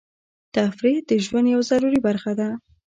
تفریح د ژوند یوه ضروري برخه ده.